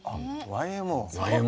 ＹＭＯだ！